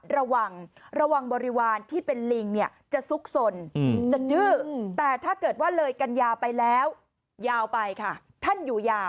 ระหว่างบริวารที่เป็นลิงจะซุกสน